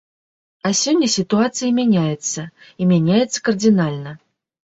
А сёння сітуацыі мяняецца, і мяняецца кардынальна.